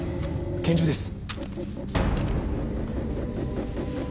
拳銃です。